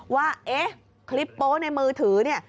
ว่าเอ๊ะคลิปโป๊ะในมือถือเนี่ย